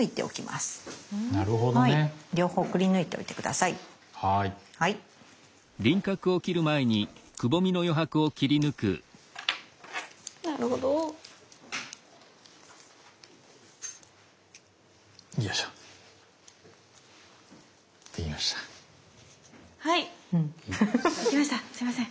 すみません。